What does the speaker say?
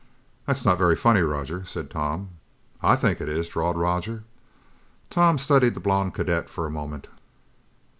"That's not very funny, Roger," said Tom. "I think it is," drawled Roger. Tom studied the blond cadet for a moment.